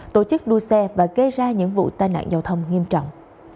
tổ chức đua xe và gây ra những vụ tai nạn giao thông nghiêm trọng